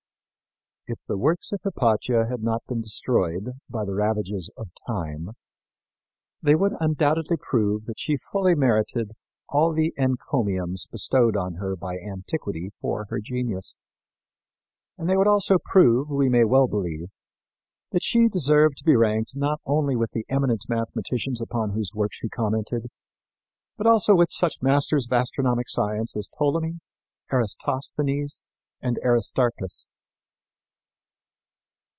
If the works of Hypatia had not been destroyed by the ravages of time, they would undoubtedly prove that she fully merited all the encomiums bestowed on her by antiquity for her genius; and they would also prove, we may well believe, that she deserved to be ranked not only with the eminent mathematicians upon whose works she commented, but also with such masters of astronomic science as Ptolemy, Eratosthenes and Aristarchus.